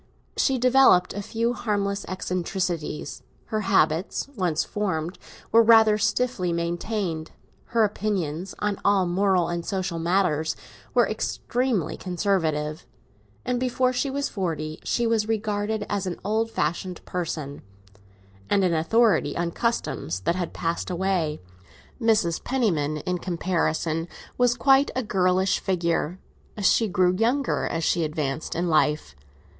She developed a few harmless eccentricities; her habits, once formed, were rather stiffly maintained; her opinions, on all moral and social matters, were extremely conservative; and before she was forty she was regarded as an old fashioned person, and an authority on customs that had passed away. Mrs. Penniman, in comparison, was quite a girlish figure; she grew younger as she advanced in life.